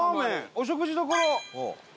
お食事どころ！